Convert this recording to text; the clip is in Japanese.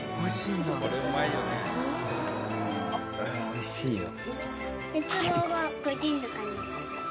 おいしいよ。